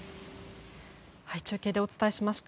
中継でお伝えしました。